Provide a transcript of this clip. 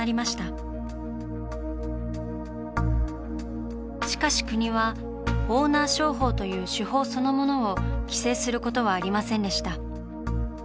しかし国はオーナー商法という手法そのものを規制することはありませんでした。